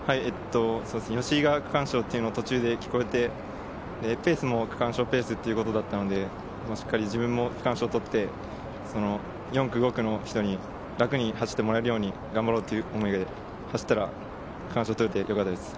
吉居が区間賞っていうのを途中で聞こえて、ペースの区間賞ペースということだったので、自分も区間賞を取って４区５区の人に楽に走ってもらえるように頑張ろうという思いで走ったら区間賞を取れてよかったです。